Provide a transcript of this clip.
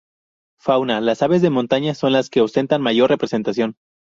Fauna: las aves de montaña son las que ostentan mayor representación.